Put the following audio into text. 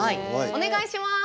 お願いします。